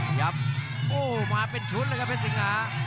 ครับโอ้มาเป็นชุดเลยครับเพชรสิงหา